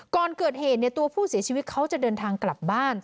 ก่อนเกิดเหตุตัวผู้เสียชีวิตเขาจะเดินทางกลับบ้าน